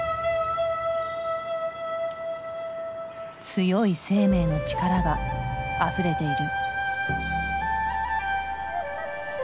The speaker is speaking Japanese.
強い生命の力があふれている。